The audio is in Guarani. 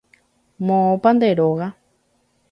Moõpa nde róga.